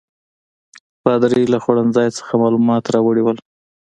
پادري له خوړنځای څخه معلومات راوړي ول.